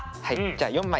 じゃあ４枚。